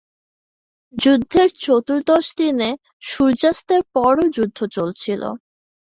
যুদ্ধের চতুর্দশ দিনে সূর্যাস্তের পরও যুদ্ধ চলছিল।